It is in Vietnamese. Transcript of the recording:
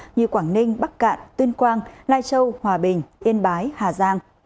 như quảng ninh bắc cạn tuyên quang lai châu hòa bình yên bái hà giang